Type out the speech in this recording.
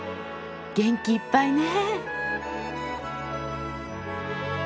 元気いっぱいね。